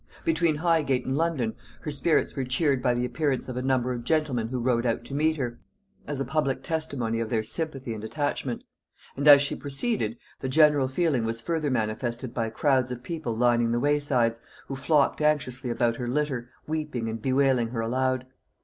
Between Highgate and London her spirits were cheered by the appearance of a number of gentlemen who rode out to meet her, as a public testimony of their sympathy and attachment; and as she proceeded, the general feeling was further manifested by crowds of people lining the waysides, who flocked anxiously about her litter, weeping and bewailing her aloud.